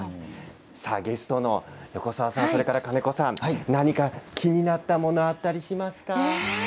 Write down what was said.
ゲストの横澤さん、金子さん何か気になるものあったりしますか？